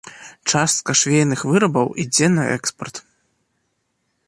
Частка швейных вырабаў ідзе на экспарт.